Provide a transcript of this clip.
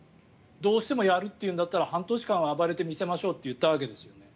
どうしてもやるというんだったら半年間は暴れてみせましょうと言ったわけです。